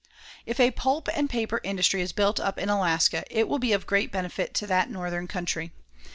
If a pulp and paper industry is built up in Alaska, it will be of great benefit to that northern country.